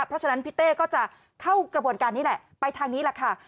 เพราะฉะนั้นพี่เต้ก็จะเข้ากระบวนการนี้แหละไปทางนี้แหละค่ะ